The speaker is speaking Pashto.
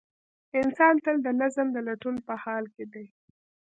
انسان تل د نظم د لټون په حال کې دی.